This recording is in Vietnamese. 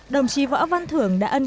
đồng chí võ văn thưởng đã ân cảnh